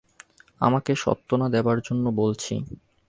আমাকে সত্ত্বনা দেবার জন্য বলছি।